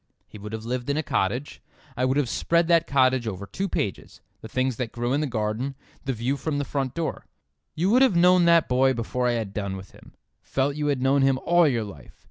He would have lived in a cottage. I could have spread that cottage over two pages; the things that grew in the garden, the view from the front door. You would have known that boy before I had done with him—felt you had known him all your life.